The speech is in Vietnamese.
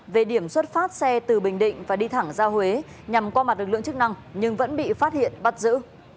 về điểm xuất phát xe từ bình định và đi thẳng ra huế nhằm qua mặt lực lượng chức năng nhưng vẫn bị phát hiện bắt giữ